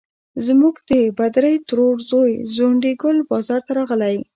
زموږ د بدرۍ ترور زوی ځونډي ګل بازار ته راغلی.